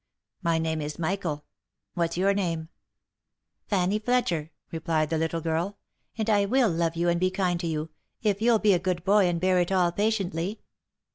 My name is Michael — What's your name ?"" Fanny Fletcher," replied the little girl, " and I will love you and be kind to you, if you'll be a good boy and bear it all patiently."